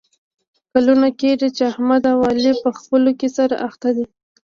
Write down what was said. کلونه کېږي چې احمد او علي په خپلو کې سره اخته دي.